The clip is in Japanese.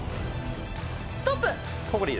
ストップ。